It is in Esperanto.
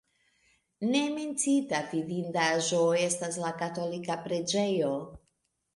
Ne menciita vidindaĵo estas la katolika preĝejo.